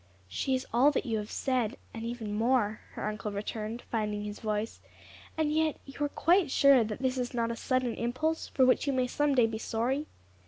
"She is all that you have said, and even more," her uncle returned, finding his voice. "And yet you are quite sure that this is not a sudden impulse for which you may some day be sorry?"